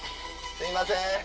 すいません。